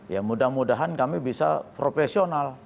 ya mudah mudahan kami bisa profesional